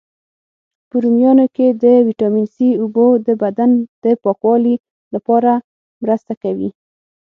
په رومیانو کی د ویټامین C، اوبو د بدن د پاکوالي لپاره مرسته کوي.